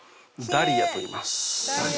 ダリアといいます。